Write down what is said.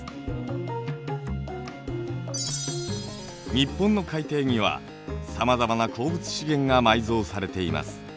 日本の海底にはさまざまな鉱物資源が埋蔵されています。